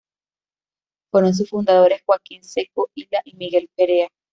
Fueron sus fundadores Joaquín Secco Illa y Miguel Perea.